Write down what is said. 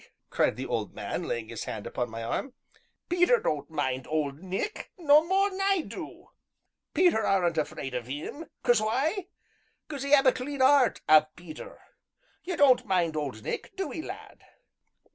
cried the old man, laying his hand upon my arm, "Peter don't mind Old Nick no more 'n I do Peter aren't afeard of 'im. 'Cause why? 'Cause 'e 'ave a clean 'eart, 'ave Peter. You don't mind Old Nick, do 'ee, lad?